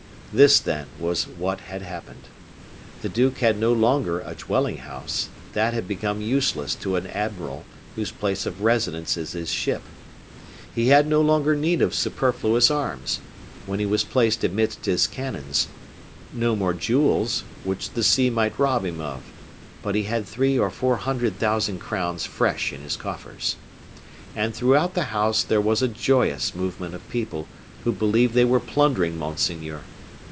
This, then, was what had happened. The duke had no longer a dwelling house that had become useless to an admiral whose place of residence is his ship; he had no longer need of superfluous arms, when he was placed amidst his cannons; no more jewels, which the sea might rob him of; but he had three or four hundred thousand crowns fresh in his coffers. And throughout the house there was a joyous movement of people who believed they were plundering monseigneur.